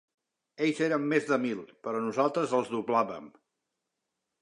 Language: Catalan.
Ells eren més de mil, però nosaltres els doblàvem.